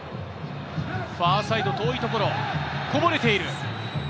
ファーサイド、遠いところ、こぼれている。